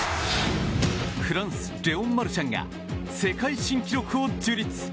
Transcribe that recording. フランスレオン・マルシャンが世界新記録を樹立。